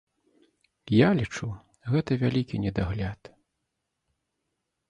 Я лічу, гэта вялікі недагляд.